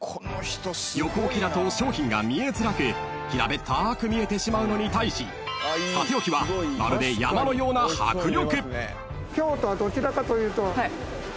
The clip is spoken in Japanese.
［横置きだと商品が見えづらく平べったく見えてしまうのに対し縦置きはまるで山のような迫力］